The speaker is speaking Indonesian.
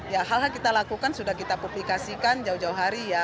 ya hal hal kita lakukan sudah kita publikasikan jauh jauh hari ya